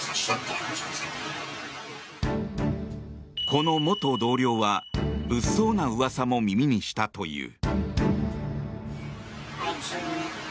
この元同僚は物騒なうわさも耳にしたという。